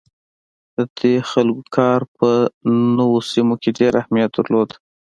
د دې خلکو کار په نوو سیمو کې ډیر اهمیت درلود.